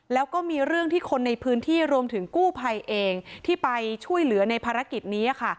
แล้วก็มีเรื่องที่คนในพื้นที่รวมถึงกู้ภัยเองที่ไปช่วยเหลือในภารกิจนี้ค่ะ